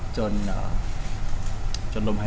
จนร่มหายใจสุดท้าย